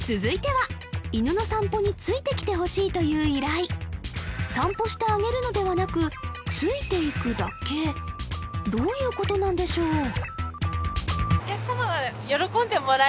続いてはという依頼散歩してあげるのではなくついていくだけどういうことなんでしょう？